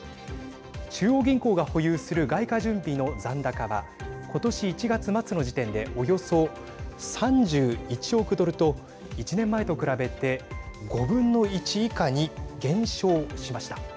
中央銀行が保有する外貨準備の残高は今年１月末の時点でおよそ３１億ドルと１年前と比べて５分の１以下に減少しました。